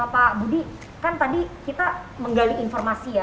pak budi kan tadi kita menggali informasi ya